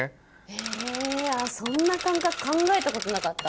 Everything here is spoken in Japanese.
へぇそんな感覚考えたことなかった。